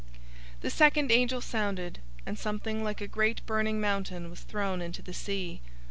008:008 The second angel sounded, and something like a great burning mountain was thrown into the sea.